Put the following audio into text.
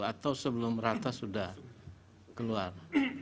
atau sebelum rata sudah keluar